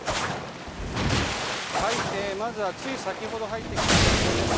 まずはつい先ほど入ってきた情報です。